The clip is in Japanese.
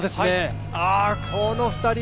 この２人は。